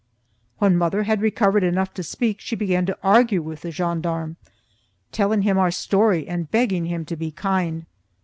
When mother had recovered enough to speak she began to argue with the gendarme, telling him our story and begging him to be kind.